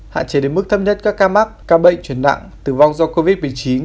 hạn chế đến mức thâm nhất các ca mắc ca bệnh chuyển nặng tử vong do covid một mươi chín